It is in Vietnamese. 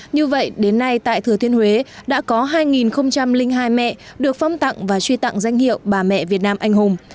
như vậy đến nay tại thừa thiên huế đã có hai hai mẹ được phong tặng và truy tặng danh hiệu bà mẹ việt nam anh hùng